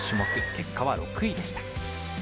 結果は６位でした。